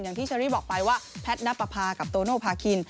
อย่างที่เชอรี่บอกไปว่าแพทนัปราพากับโตโนปาร์คิน